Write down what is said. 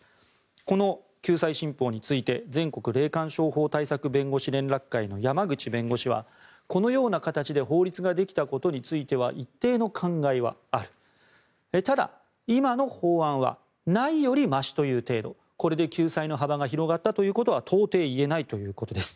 この救済新法について全国霊感商法対策弁護士会の山口弁護士は、このような形で法律ができたことについては一定の感慨はあるただ、今の法案はないよりましという程度これで救済の幅が広がったということは到底言えないということです。